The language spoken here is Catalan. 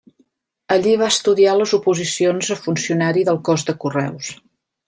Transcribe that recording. Allí va estudiar les oposicions a funcionari del cos de Correus.